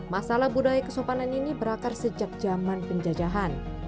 masalah budaya kesopanan ini berakar sejak zaman penjajahan